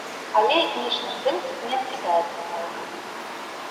Але этнічны прынцып не адкідаецца цалкам.